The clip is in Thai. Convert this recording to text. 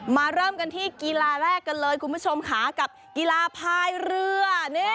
เริ่มกันที่กีฬาแรกกันเลยคุณผู้ชมค่ะกับกีฬาพายเรือ